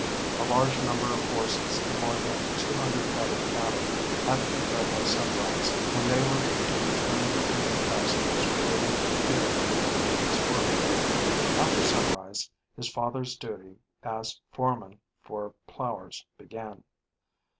A large number of horses and more than two hundred head of cattle had to be fed by sunrise when they were to be turned into the pastures or driven to the field to begin the day's work. After sunrise, his father's duty [HW: as] foreman for plowers began.